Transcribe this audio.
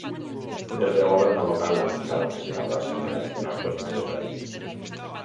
Desde o goberno local lamentaron que se tardase en reaccionar cos medios aéreos.